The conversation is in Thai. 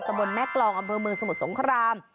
บนแม่กรองอำเภอเมืองสมุทรสงคราม